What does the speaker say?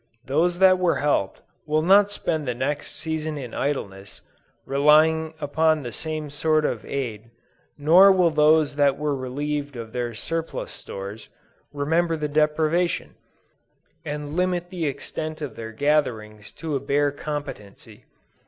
Those that were helped, will not spend the next season in idleness, relying upon the same sort of aid; nor will those that were relieved of their surplus stores, remember the deprivation, and limit the extent of their gatherings to a bare competency.